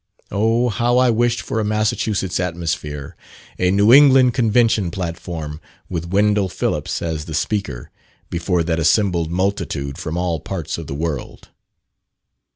Oh! how I wished for a Massachusetts atmosphere, a New England Convention platform, with Wendell Phillips as the speaker, before that assembled multitude from all parts of the world.